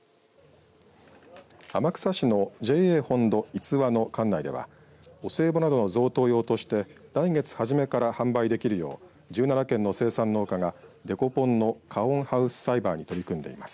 天草市のＪＡ本渡五和の管内ではお歳暮などの贈答用として来月初めから販売できるよう１７軒の生産農家がデコポンの加温ハウス栽培に取り組んでいます。